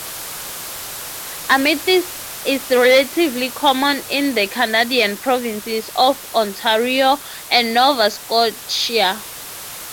Amethyst is relatively common in the Canadian provinces of Ontario and Nova Scotia.